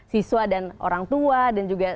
siswa dan orang tua dan juga